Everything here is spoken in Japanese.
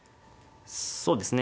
そうですね